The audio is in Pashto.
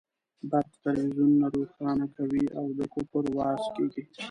برق تلویزیونونه روښانه کوي او د کفر وعظ کېږي.